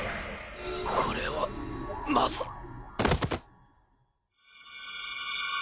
これはまずっ。